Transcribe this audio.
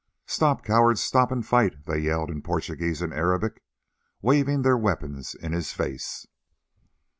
"Stop, coward, stop and fight," they yelled in Portuguese and Arabic, waving their weapons in his face.